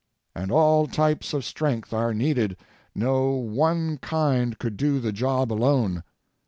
And all types of strength are needed ŌĆō no one kind could do the job alone.